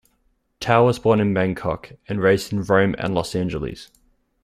Tao was born in Bangkok and raised in Rome and Los Angeles.